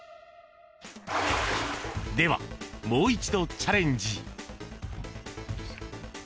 では、もう一度チャレンジ。